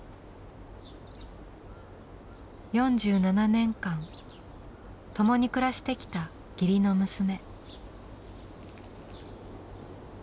４７年間共に暮らしてきた義理の娘。